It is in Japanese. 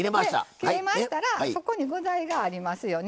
で切れましたらそこに具材がありますよね。